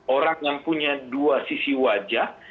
orang yang punya dua sisi wajah